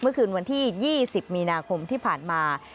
เมื่อคืนวันที่๒๐มีนาคมที่ผ่านมา